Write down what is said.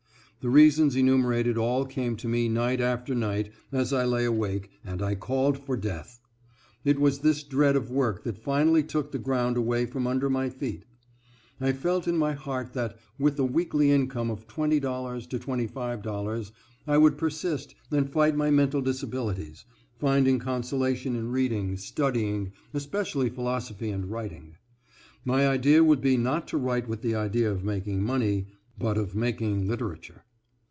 The reasons enumerated all came to me night after night as I lay awake, and I called for death .... it was this dread of work that finally took the ground away from under my feet. I felt in my heart that, with a weekly income of $20 to $25 I would persist and fight my mental disabilities, finding consolation in reading, studying, especially philosophy and writing. My idea would be not to write with the idea of making money, but of making literature.